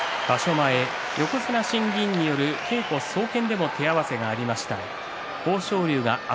前横綱審議委員による稽古総見でも手合わせがありました。